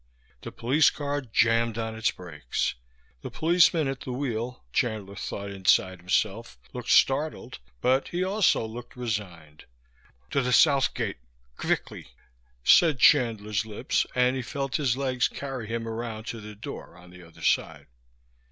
The police car jammed on its brakes. The policeman at the wheel, Chandler thought inside himself, looked startled, but he also looked resigned. "To de South Gate, qvickly," said Chandler's lips, and he felt his legs carry him around to the door on the other side.